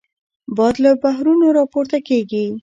باد له بحرونو راپورته کېږي